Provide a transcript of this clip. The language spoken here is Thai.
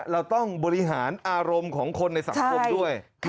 เราต้องบริหารอารมณ์ของคนในสังคมด้วย